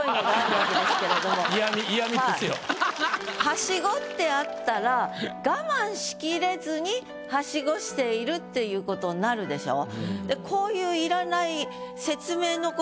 「はしご」ってあったら我慢しきれずにはしごしているっていうことになるでしょ？